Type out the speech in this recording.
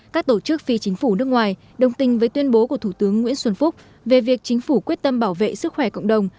các tổ chức phi chính phủ nước ngoài đồng tình với tuyên bố của thủ tướng nguyễn xuân phúc về việc chính phủ quyết tâm bảo vệ sức khỏe cộng đồng